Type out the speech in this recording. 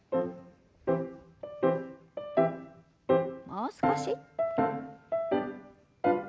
もう少し。